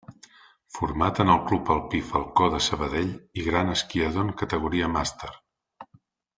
Format en el Club Alpí Falcó de Sabadell i gran esquiador en categoria màster.